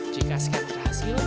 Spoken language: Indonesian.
jika scan terhasil